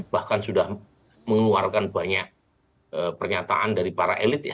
bahkan sudah mengeluarkan banyak pernyataan dari para elit ya